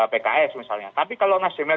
pks misalnya tapi kalau nasdemnya